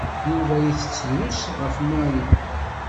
Yuba itett drus ɣef Mary.